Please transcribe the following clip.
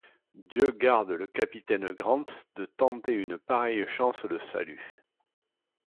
Dieu garde le capitaine Grant de tenter une pareille chance de salut !